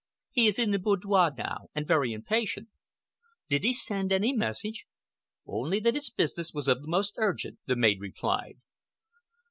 He is in the boudoir now, and very impatient." "Did he send any message?" "Only that his business was of the most urgent," the maid replied.